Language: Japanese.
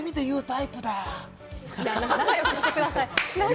仲良くしてください。